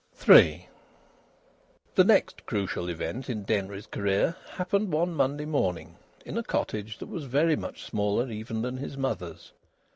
III The next crucial event in Denry's career happened one Monday morning, in a cottage that was very much smaller even than his mother's.